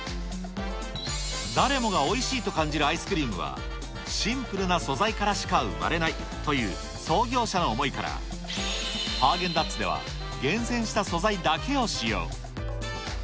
誰もがおいしいと感じるアイスクリームは、シンプルな素材からしか生まれないという、創業者の思いから、ハーゲンダッツでは、厳選した素材だけを使用。